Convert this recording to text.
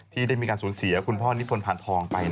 ที่ได้มีการสูญเสียคุณพ่อนิพนธผ่านทองไป